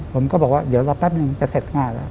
ผมก็บอกว่าเดี๋ยวรอแป๊บนึงจะเสร็จงานแล้ว